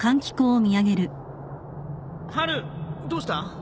ハルどうした？